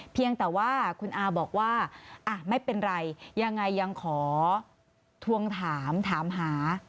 เพียงแต่ว่าคุณอาบอกว่าไม่เป็นไรยังไงยังขอทวงถามถามหา